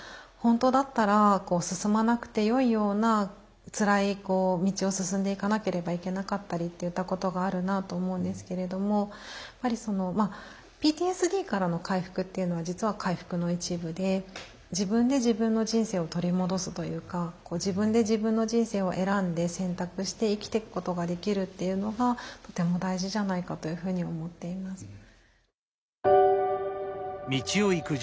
本当だったら進まなくてよいようなつらい道を進んでいかなければいけなかったりっていったことがあるなと思うんですけれどもやっぱりＰＴＳＤからの回復っていうのは実は回復の一部で自分で自分の人生を取り戻すというか自分で自分の人生を選んで選択して生きていくことができるっていうのがとても大事じゃないかというふうに思っています。